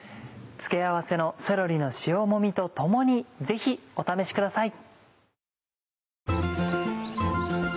付け合わせの「セロリの塩もみ」と共にぜひお試しください。